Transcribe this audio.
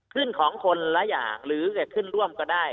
ของคนละอย่างหรือจะขึ้นร่วมก็ได้